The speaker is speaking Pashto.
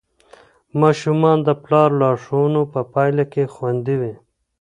ماشومان د پلار لارښوونو په پایله کې خوندي وي.